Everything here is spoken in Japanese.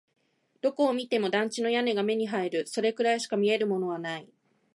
どこを見ても団地の屋根が目に入る。それくらいしか見えるものはない。